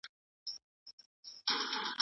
هغه به په پوره مېړانه مخي ته لاړ سي.